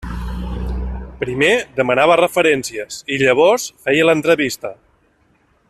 Primer demanava referències i llavors feia l'entrevista.